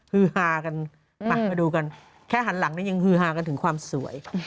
ฮือฮากันไปมาดูกันแค่หันหลังนี่ยังฮือฮากันถึงความสวย